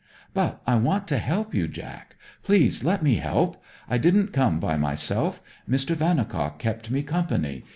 'But I want to help you, Jack. Please let me help! I didn't come by myself Mr. Vannicock kept me company.